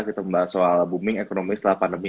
kita membahas soal booming ekonomi setelah pandemi